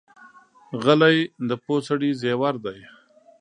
غلی، د پوه سړي زیور دی.